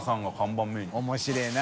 次面白いな。